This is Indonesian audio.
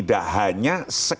itu aku lagi tinyang